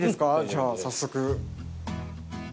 じゃあ早速。